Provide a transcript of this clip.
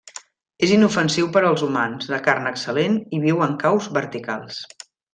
És inofensiu per als humans, de carn excel·lent, i viu en caus verticals.